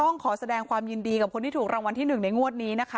ต้องขอแสดงความยินดีกับคนที่ถูกรางวัลที่๑ในงวดนี้นะคะ